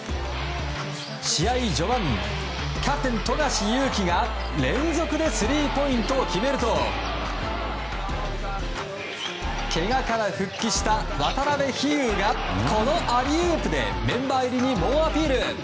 試合序盤、キャプテン富樫勇樹が連続でスリーポイントを決めるとけがから復帰した渡邉飛勇がこのアリウープでメンバー入りに猛アピール。